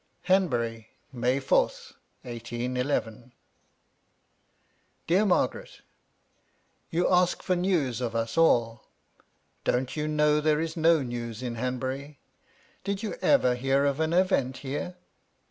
* Hanbury, May 4, 1811. * Deab Mabgabet, " You ask for news of us all. Don't you know there 'is no news in Hanbury? Did you ever hear of an * event here